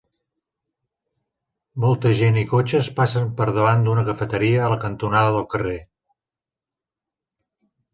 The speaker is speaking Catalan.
Molta gent i cotxes passen per davant d'una cafeteria a la cantonada del carrer.